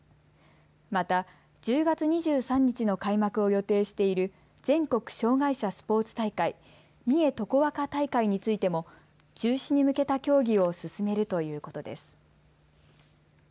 また１０月２３日の開幕を予定している全国障害者スポーツ大会、三重とこわか大会についても中止に向けた協議を進めるということです。